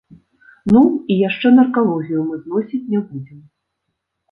Ну, і яшчэ наркалогію мы зносіць не будзем.